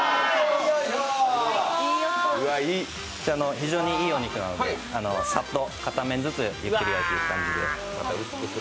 非常にいいお肉なので、さっと片面ずつゆっくり焼いていく感じで。